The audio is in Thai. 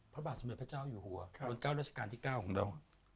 พระบาทสมเด็จพระเจ้าอยู่หัวบนเก้าราชการที่๙ของเรา